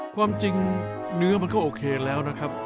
ความจริงเนื้อมันก็โอเคแล้วนะครับ